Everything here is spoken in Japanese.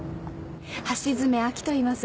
橋爪亜希といいます。